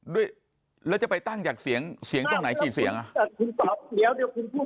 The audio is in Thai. ด้วยแล้วจะไปตั้งจากเสียงเสียงตรงไหนกี่เสียงเดี๋ยวคุณพูด